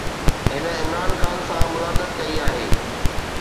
هن عمران خان سان ملاقات ڪئي آهي.